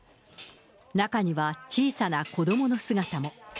中には小さな子どもの姿も。